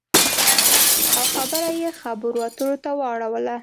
او خبره یې خبرو اترو ته واړوله